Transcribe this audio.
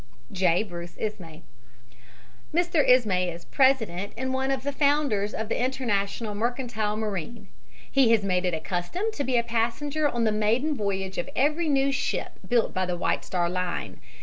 J. BRUCE ISMAY Mr. Ismay is president and one of the founders of the International Mercantile Marine. He has made it a custom to be a passenger on the maiden voyage of every new ship built by the White Star Line.